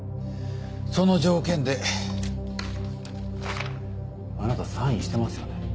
その条件であなたサインしてますよね？